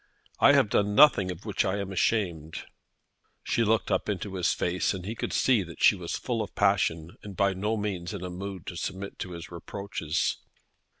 I have done nothing of which I am ashamed." She looked up into his face, and he could see that she was full of passion, and by no means in a mood to submit to his reproaches.